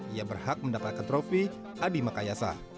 ia berhak mendapatkan trofi adi makayasa